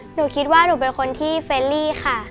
หนูคิดว่าหนูเป็นคนที่เฟรลี่ค่ะ